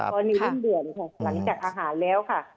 พอมีวิ่งเดือนหลังจากอาหารแล้วค่ะ